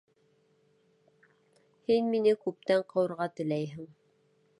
Һин мине күптән ҡыуырға теләйһең!